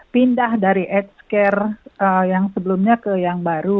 pindah dari aids care yang sebelumnya ke yang baru